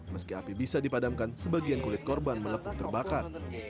meski api bisa dipadamkan sebagian kulit korban melepuh terbakar